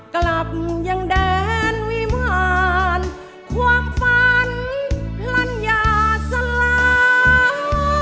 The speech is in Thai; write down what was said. กลับยังแดนวิมารความฝันพลัญญาสลา